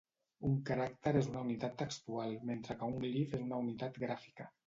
Un caràcter és una unitat textual mentre que un glif és una unitat gràfica.